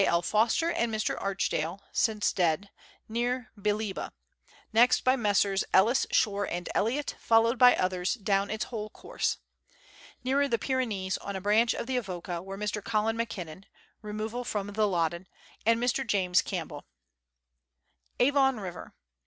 L. Foster and Mr. Archdale (since dead), near Bealiba ; next by Messrs. Ellis, Shore, and Elliott, followed by others, down its whole course. Nearer the Pyrenees, on a branch of the Avoca, were Mr. Colin Mackinnon (removal from the Loddon) and Mr. James Campbell. Avon River.